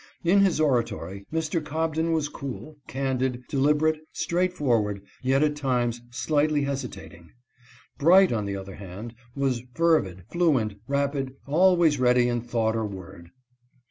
In his oratory Mr. Cobden was cool, candid, deliberate, straightforward, yet at times slightly hesitating. Bright, on the other hand, was fervid, fluent, rapid ; always ready in thought or word.